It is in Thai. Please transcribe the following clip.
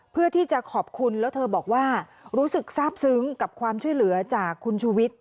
เพื่อที่จะขอบคุณแล้วเธอบอกว่ารู้สึกทราบซึ้งกับความช่วยเหลือจากคุณชูวิทย์